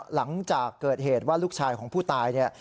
หลังจากเกิดเหตุว่าลูกชายของผู้ตายเนี่ย